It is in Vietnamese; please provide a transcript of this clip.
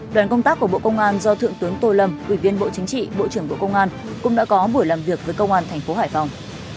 đoàn công tác của bộ công an do thượng tướng tô lâm ủy viên bộ chính trị bộ trưởng bộ công an cũng đã có buổi làm việc với công an thành phố hải phòng